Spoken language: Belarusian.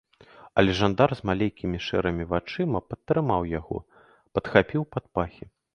Але жандар з маленькімі шэрымі вачыма падтрымаў яго, падхапіў пад пахі.